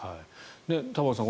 玉川さん